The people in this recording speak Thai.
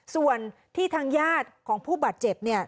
ส่วนที่ทางญาติของผู้บาดเจ็บเนี่ย